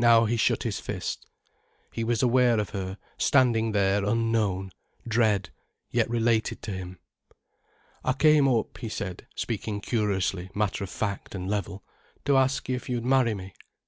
Now he shut his fists. He was aware of her standing there unknown, dread, yet related to him. "I came up," he said, speaking curiously matter of fact and level, "to ask if you'd marry me.